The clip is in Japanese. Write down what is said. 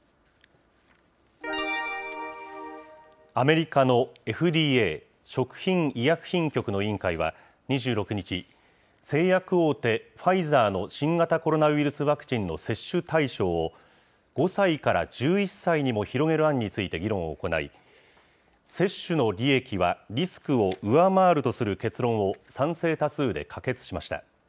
アメリカのＦＤＡ・食品医薬品局の委員会は２６日、製薬大手、ファイザーの新型コロナウイルスワクチンの接種対象を、５歳から１１歳にも広げる案について議論を行い、接種の利益はリスクを上回るとする結論を、賛成多数で可決しました。